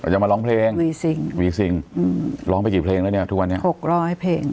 จะมาร้องเพลงวีซิงวีซิงร้องไปกี่เพลงแล้วเนี่ยทุกวันนี้หกร้อยเพลง